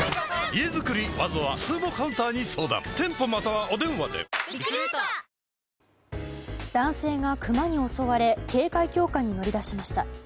はぁ男性がクマに襲われ警戒強化に乗り出しました。